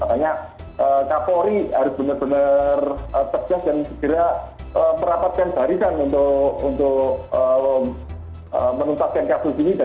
makanya kita harus benar benar terjaga dan segera merapatkan barisan untuk menutupkan kasus ini